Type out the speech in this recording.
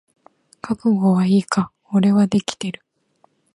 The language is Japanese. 覚悟はいいか？俺はできてる。